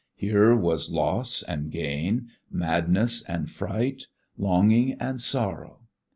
Here was loss and gain, madness and fright, longing and sorrow.